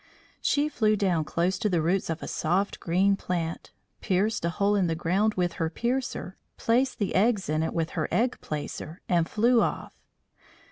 She flew down close to the roots of a soft green plant, pierced a hole in the ground with her piercer, placed the eggs in it with her egg placer, and flew off.